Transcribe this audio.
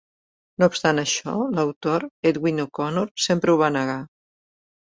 No obstant això, l'autor, Edwin O'Connor, sempre ho va negar.